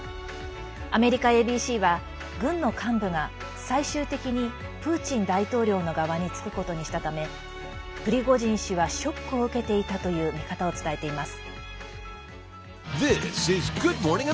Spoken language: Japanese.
アメリカＡＢＣは軍の幹部が最終的にプーチン大統領の側につくことにしたためプリゴジン氏はショックを受けていたという見方を伝えています。